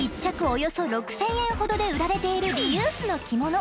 およそ６，０００円ほどで売られているリユースの着物。